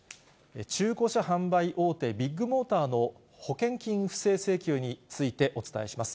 中古車販売大手、ビッグモーターの保険金不正請求についてお伝えします。